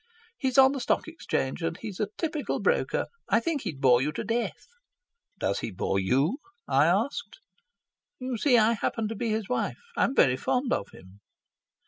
"He's on the Stock Exchange, and he's a typical broker. I think he'd bore you to death." "Does he bore you?" I asked. "You see, I happen to be his wife. I'm very fond of him."